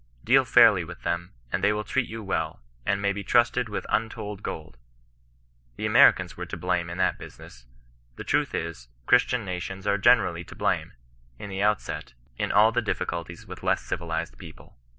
Deal fairly with them, and they will treat you well, and may he trusted with untold gold. The Americans were to blame in that business. The truth is, Christian nations arc generally to blame, in the outset, in all the difficulties with less civilized people.